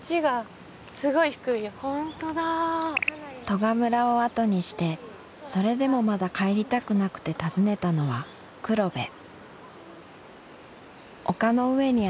利賀村を後にしてそれでもまだ帰りたくなくて訪ねたのは黒部